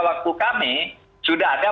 waktu kami sudah ada